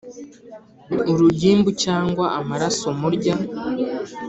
Urugimbu cyangwa amaraso murya